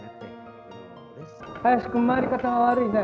林君、回り方が悪いね。